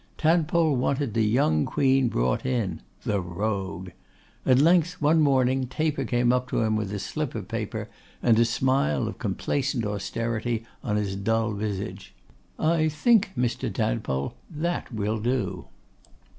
Tadpole wanted the young Queen brought in; the rogue! At length, one morning, Taper came up to him with a slip of paper, and a smile of complacent austerity on his dull visage, 'I think, Mr. Tadpole, that will do!